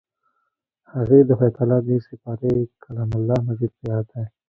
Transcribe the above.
هغې د خدای تعالی دېرش سپارې کلام الله مجيد په ياد دی.